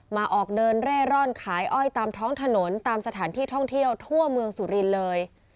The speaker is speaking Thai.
มาออกเดินเร่ร่อนขายอ้อยตามท้องถนนตามสถานที่ท่องเที่ยวทั่วเมืองสุรินทร์เลย